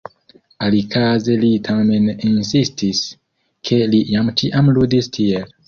Alikaze li tamen insistis, ke li jam ĉiam ludis tiel.